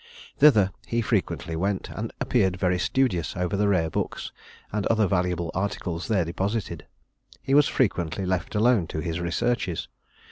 Thither he frequently went, and appeared very studious over the rare books, and other valuable articles there deposited. He was frequently left alone to his researches.